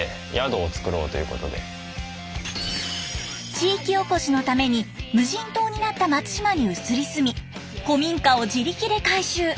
地域おこしのために無人島になった松島に移り住み古民家を自力で改修。